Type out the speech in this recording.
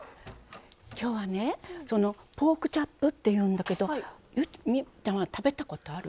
今日はねそのポークチャップって言うんだけど望結ちゃんは食べたことある？